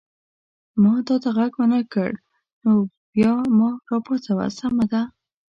ما تا ته غږ ونه کړ نو بیا ما را پاڅوه، سمه ده؟